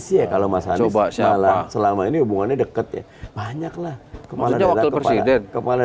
iya kalau mas anies malah selama ini hubungannya deket ya banyaklah kepala daerah kepala